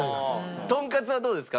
とんかつはどうですか？